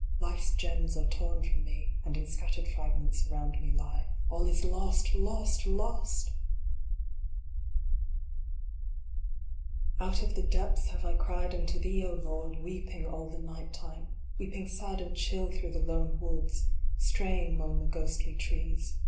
Life s gems are torn from me, and in scattered fragments around me lie. All lost lost lost ! IV. Out of the depths have I cried unto thee, O Lord ! Weeping all the night time. Weeping sad and chill through the lone woods. Straying mong the ghostly trees.